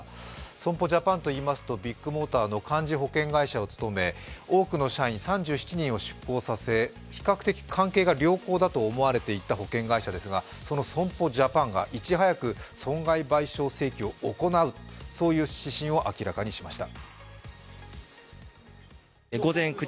損保ジャパンといいますとビッグモーターの幹事保険会社を務め、多くの社員３７人を出向させ比較的関係が良好だと思われていた保険会社ですがその損保ジャパンがいち早く損害賠償請求を行うという指針を明らかにしました。